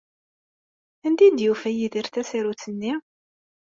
Anda ay d-yufa Yidir tasarut-nni?